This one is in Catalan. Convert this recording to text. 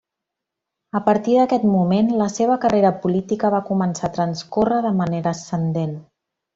A partir d'aquest moment, la seva carrera política va començar a transcórrer de manera ascendent.